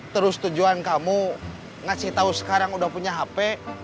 terus tujuan kamu ngasih tahu sekarang udah punya hp